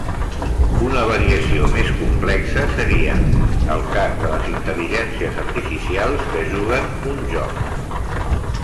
Una variació més complexa seria el cas de les intel·ligències artificials que juguen un joc.